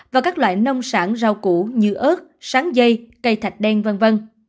và các loại nông sản rau củ như ớt sáng dây cây thạch đen v v